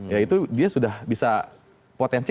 ya itu dia sudah bisa potensi